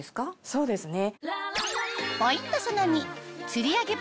そうですね。